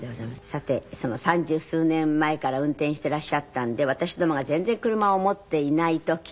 さて三十数年前から運転してらっしゃったんで私どもが全然車を持っていない時に。